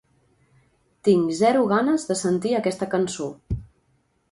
Tinc zero ganes de sentir aquesta cançó.